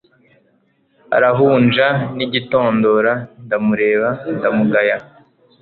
arahunja n'igitondora, ndamureba ndamugaya